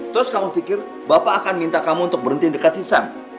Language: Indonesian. terus kamu pikir bapak akan minta kamu untuk berhenti dekat sisam